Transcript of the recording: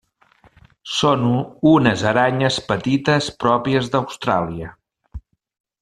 Són unes aranyes petites pròpies d'Austràlia.